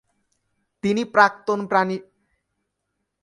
তিনি প্রাক্তন পানিসম্পদ প্রতিমন্ত্রী ও ধর্ম বিষয়ক প্রতিমন্ত্রী ছিলেন।